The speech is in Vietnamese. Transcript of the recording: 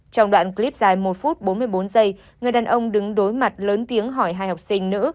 trong đoạn clip dài một phút bốn mươi bốn giây người đàn ông đứng đối mặt lớn tiếng hỏi hai học sinh nữ